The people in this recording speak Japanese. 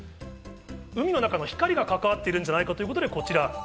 海の中の光が関わっているんじゃないかということで、こちら。